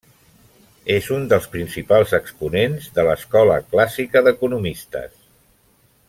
És un dels principals exponents de l'Escola Clàssica d'economistes.